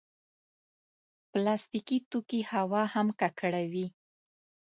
پلاستيکي توکي هوا هم ککړوي.